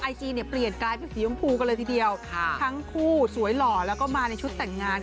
จีเนี่ยเปลี่ยนกลายเป็นสียมพูกันเลยทีเดียวค่ะทั้งคู่สวยหล่อแล้วก็มาในชุดแต่งงาน